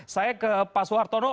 saya ke pak soeharto ngo